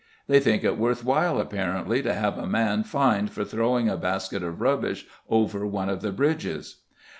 They think it worth while, apparently, to have a man fined for throwing a basket of rubbish over one of the bridges.